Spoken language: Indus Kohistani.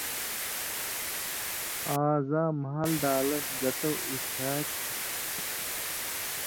آں زاں مھال دالہ گتہ (اُتھیا تھی)؟